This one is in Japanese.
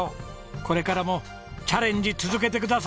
これからもチャレンジ続けてください！